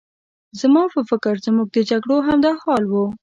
زما په فکر زموږ د جګړو همدا حال و.